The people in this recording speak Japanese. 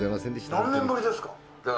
何年ぶりですか。